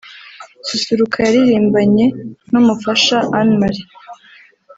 Susuruka yaririmbanye n’umufasha Anne Marie